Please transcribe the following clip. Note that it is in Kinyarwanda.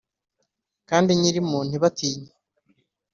kandi nyirimo ntibabitinye.